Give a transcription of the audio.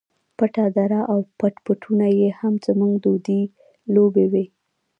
پټه دره او پټ پټونی یې هم زموږ دودیزې لوبې وې.